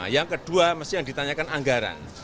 yang kedua mesti yang ditanyakan anggaran